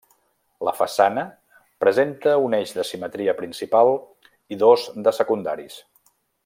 La façana presenta un eix de simetria principal i dos de secundaris.